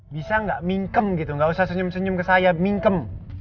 bisa nggak mingkem gitu gak usah senyum senyum ke saya minkem